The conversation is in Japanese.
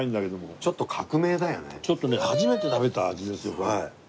ちょっとね初めて食べた味ですよこれ。